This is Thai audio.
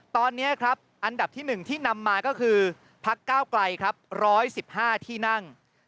ตอนนี้ครับอันดับที่๑ที่นำมาก็คือพักก้าวไกลครับ๑๑๕ที่นั่ง